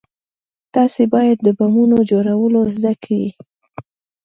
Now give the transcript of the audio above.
تاسې بايد د بمونو جوړول زده كئ.